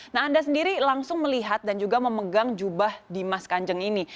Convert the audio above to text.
nah anda sendiri langsung melihat dan juga memegang jubah dimas kanjeng ini